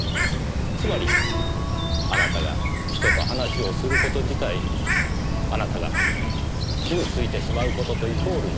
つまりあなたが人と話をする事自体あなたが傷ついてしまう事とイコールになってしまう。